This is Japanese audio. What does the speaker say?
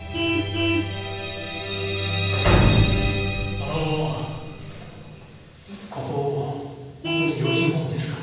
あのここ本当に老人ホームですか？